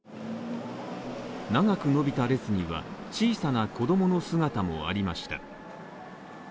長く伸びた列には小さな子供の姿もありました。